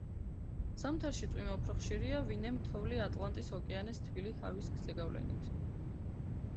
ზამთარში წვიმა უფრო ხშირია ვინემ თოვლი ატლანტის ოკეანის თბილი ჰავის ზეგავლენით.